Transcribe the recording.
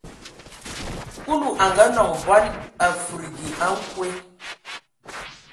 Kulu a ngaanɔŋ bɔn, a fudigi a nkwe.